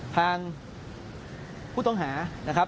ทางผู้ต้องหานะครับ